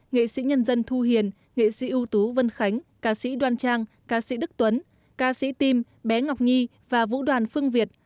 nghệ sĩ nhân dân thu hiền nghệ sĩ ưu tú vân khánh ca sĩ đoan trang ca sĩ đức tuấn ca sĩ tim bé ngọc nhi và vũ đoàn phương việt